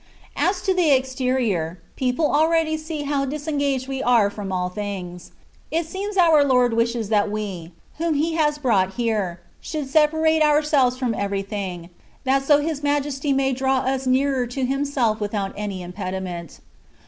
As to the exterior, people already see how disengaged we are here from all things. It seems our Lord wishes that we, whom He has brought here, should separate ourselves from everything, that so His Majesty may draw us nearer to Him self without any impediment.